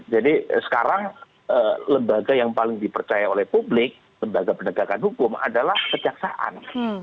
jadi sekarang lembaga yang paling dipercaya oleh publik lembaga penegakan hukum adalah kejaksaan